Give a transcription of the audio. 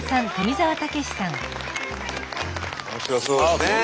面白そうですね。